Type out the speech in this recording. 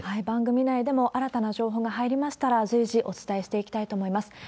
番組内でも新たな情報が入りましたら随時、お伝えしていきたいと思います。